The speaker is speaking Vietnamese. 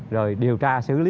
rồi điều tra xử lý